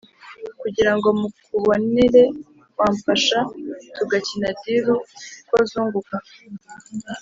kugira ngo mukubonere wamfasha tugakina diru ko zunguka